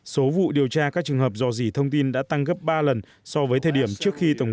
hai nghìn một mươi bảy số vụ điều tra các trường hợp dò dỉ thông tin đã tăng gấp ba lần so với thời điểm trước khi tổng